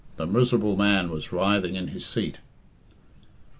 The miserable man was writhing in his seat.